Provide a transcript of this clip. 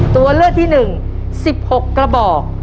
ตัวเลือดที่หนึ่ง๑๖กระบอก